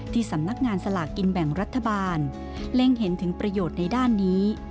สำนักงานสลากกินแบ่งรัฐบาลเล็งเห็นถึงประโยชน์ในด้านนี้